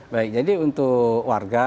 baik jadi untuk warga